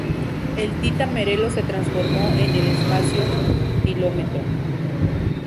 El "Tita Merello" se transformó en el "Espacio Km.